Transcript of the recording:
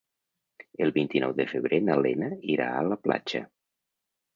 El vint-i-nou de febrer na Lena irà a la platja.